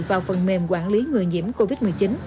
vào phần mềm quản lý người nhiễm covid một mươi chín